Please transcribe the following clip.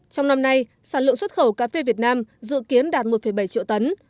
trong năm nay sản lượng xuất khẩu cà phê việt nam dự kiến đạt một bảy triệu tấn